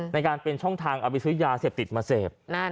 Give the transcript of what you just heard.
ในการเป็นช่องทางเอาไปซื้อยาเสพติดมาเสพ